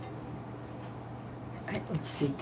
はい落ち着いた。